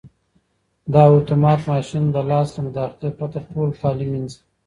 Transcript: دا اتومات ماشین د لاس له مداخلې پرته ټول کالي مینځي.